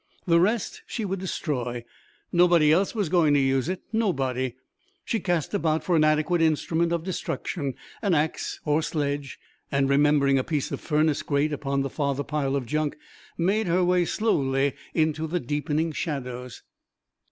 The rest she would destroy. Nobody else was going to use it nobody. She cast about for an adequate instrument of destruction, an axe or sledge, and remembering a piece of furnace grate upon the farther pile of junk, made her way slowly into the deepening shadows.